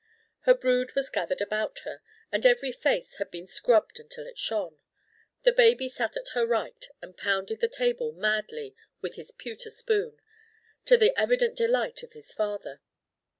Her brood was gathered around her, and every face had been scrubbed until it shone. The baby sat at her right and pounded the table madly with his pewter spoon, to the evident delight of his father.